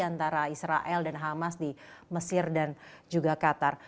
antara israel dan hamas di mesir dan juga qatar